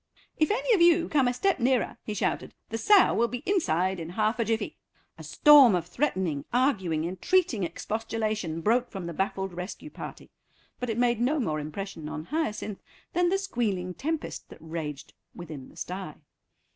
"If any of you come a step nearer," he shouted, "the sow will be inside in half a jiffy." A storm of threatening, arguing, entreating expostulation broke from the baffled rescue party, but it made no more impression on Hyacinth than the squealing tempest that raged within the stye.